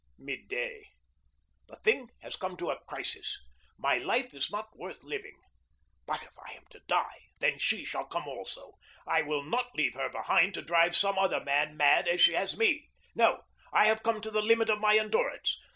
Mid day. The thing has come to a crisis. My life is not worth living. But, if I am to die, then she shall come also. I will not leave her behind, to drive some other man mad as she has me. No, I have come to the limit of my endurance.